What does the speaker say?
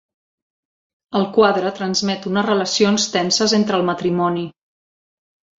El quadre transmet unes relacions tenses entre el matrimoni.